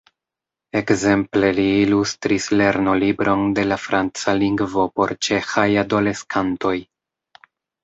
Ekzemple li ilustris lernolibron de la franca lingvo por ĉeĥaj adoleskantoj.